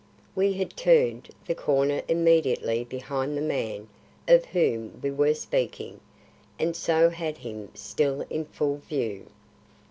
We had turned the corner immediately behind the man of whom we were speaking and so had him still in full view.